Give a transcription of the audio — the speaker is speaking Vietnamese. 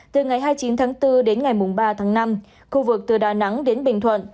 từ ngày hai mươi chín tháng bốn đến ngày ba tháng năm khu vực từ đà nẵng đến bình thuận